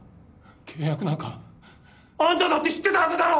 契約なんかあんただって知ってたはずだろ！